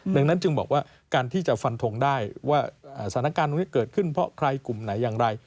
ดังนั้นจึงบอกว่าการที่จะฟันทงได้ว่าสถานการณ์ตรงนี้เกิดขึ้นเพราะใครกลุ่มไหนอย่างไร